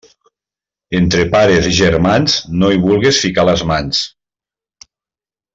Entre pares i germans no hi vulgues ficar les mans.